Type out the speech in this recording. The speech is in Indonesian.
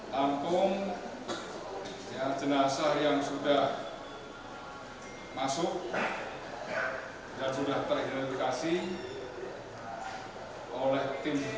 lampung jenazah yang sudah masuk dan sudah teridentifikasi oleh tim